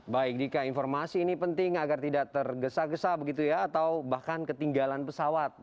baik dika informasi ini penting agar tidak tergesa gesa begitu ya atau bahkan ketinggalan pesawat